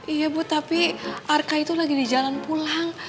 iya bu tapi arka itu lagi di jalan pulang